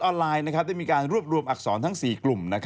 ปปราราศรีกรกฎให้ระวังทุกเรื่อง